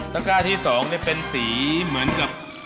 แล้วก็ที่สองเนี่ยเป็นสีเหมือนกับ